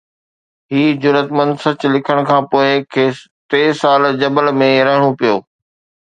هي جرئتمند سچ لکڻ کان پوءِ کيس ٽي سال جيل ۾ رهڻو پيو